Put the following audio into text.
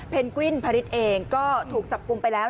เพนกวินผลิตเองก็ถูกจับกุมไปแล้ว